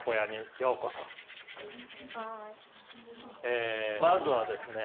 えまずはですね